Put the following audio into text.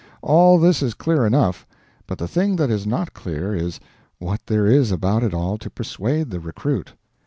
All this is clear enough; but the thing that is not clear is, what there is about it all to persuade the recruit.